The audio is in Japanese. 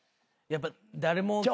やっぱ誰も。